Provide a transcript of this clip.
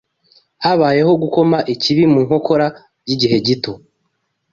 Habayeho gukoma ikibi mu nkokora by’igihe gito